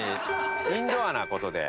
インドアな事で。